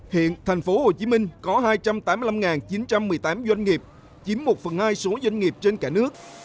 hiện tp hcm có hai trăm tám mươi năm chín trăm một mươi tám doanh nghiệp chiếm một phần hai số doanh nghiệp trên cả nước